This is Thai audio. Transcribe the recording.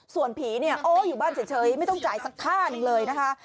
ส่วนผีเนี่ยโอ้อยู่บ้านเฉยไม่ต้องจ่ายสักค่าหนึ่งเลยนะคะ